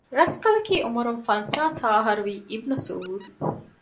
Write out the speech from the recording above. ރަސްކަލަކީ އުމުރުން ފަންސާސް ހަ އަހަރުވީ އިބްނު ސުޢޫދު